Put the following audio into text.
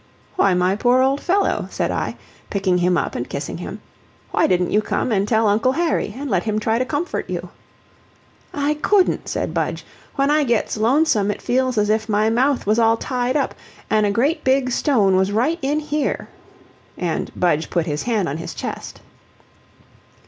"Why, my poor old fellow," said I, picking him up and kissing him, "why didn't you come and tell Uncle Harry, and let him try to comfort you?" "I COULDN'T," said Budge; "when I gets lonesome, it feels as if my mouth was all tied up, an' a great big stone was right in here." And Budge put his hand on his chest.